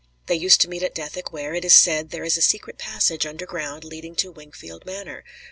They used to meet at Dethick where, it is said, there is a secret passage underground leading to Wingfield Manor.